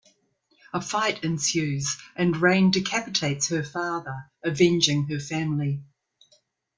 A fight ensues and Rayne decapitates her father, avenging her family.